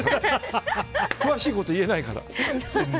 詳しいことを言えないから。